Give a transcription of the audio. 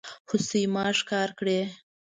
هوسۍ ما ښکار کړي